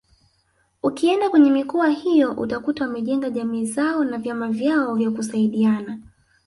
Ukienda kwenye mikoa hiyo utakuta wamejenga jamii zao na vyama vyao vya kusaidiana